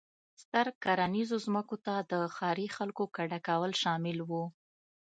ستر کرنیزو ځمکو ته د ښاري خلکو کډه کول شامل و.